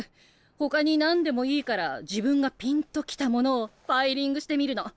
ほかになんでもいいから自分がピンときたものをファイリングしてみるの。